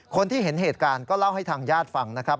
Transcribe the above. คนที่เห็นเหตุการณ์ก็เล่าให้ทางญาติฟังนะครับ